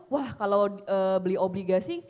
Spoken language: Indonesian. wah kalau beli obligasi